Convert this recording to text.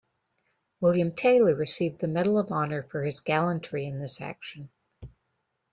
William Taylor received the Medal of Honor for his gallantry in this action.